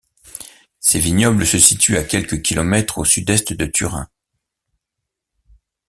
Ces vignobles se situent à quelques kilomètres au sud-est de Turin.